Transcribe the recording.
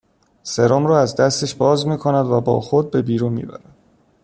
سرُم را از دستش باز میکند و با خود به بیرون میبرد